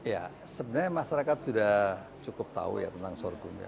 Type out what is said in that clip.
ya sebenarnya masyarakat sudah cukup tahu ya tentang sorghum ya